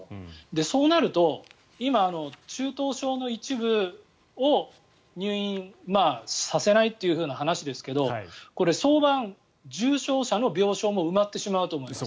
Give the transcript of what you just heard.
そうなると、今、中等症の一部を入院させないという話ですけどこれ、早晩、重症者の病床も埋まってしまうと思います。